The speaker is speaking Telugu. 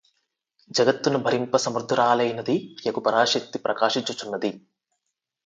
జగత్తును భరింప సమర్ధురాలైనది యగు పరాశక్తి ప్రకాశించుచున్నది